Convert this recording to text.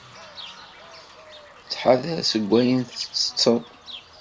Ttḥadar seg wayen tettetted.